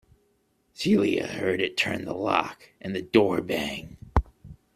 Celia heard it turn in the lock, and the door bang.